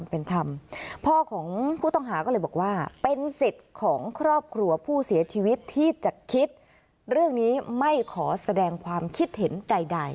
เป็นธรรมพ่อของผู้ต้องหาก็เลยบอกว่าเป็นสิทธิ์ของครอบครัวผู้เสียชีวิตที่จะคิดเรื่องนี้ไม่ขอแสดงความคิดเห็นใด